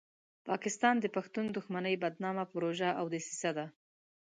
پاکستان د پښتون دښمنۍ بدنامه پروژه او دسیسه ده.